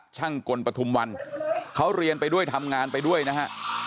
กลปฐุมวันเขาเรียนไปด้วยทำงานไปด้วยนะฮะ